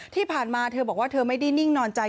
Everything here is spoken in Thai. ที่ผ่านมาเธอบอกว่าเธอไม่ได้นิ่งนอนใจ